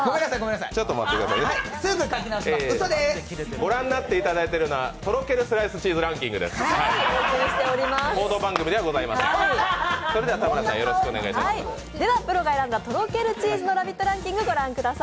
御覧になっていただいているのは、とろけるスライスチーズランキングです。